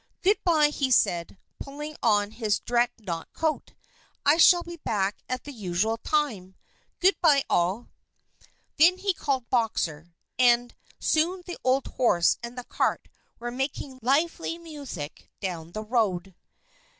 "Good by," he said, pulling on his dreadnought coat. "I shall be back at the usual time. Good by, all." Then he called Boxer, and soon the old horse and the cart were making lively music down the road.